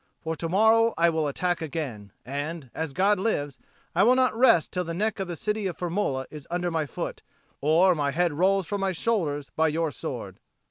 For to morrow I will attack again; and, as God lives, I will not rest till the neck of the city of Firmola is under my foot, or my head rolls from my shoulders by your sword."